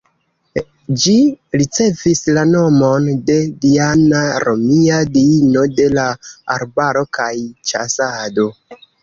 Ĝi ricevis la nomon de Diana, romia diino de la arbaro kaj ĉasado.